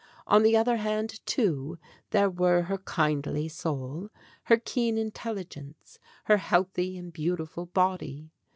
On the other hand, too, there were her kindly soul, her keen intelligence, her healthy and beau tiful body.